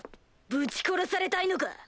ぶち殺されたいのか？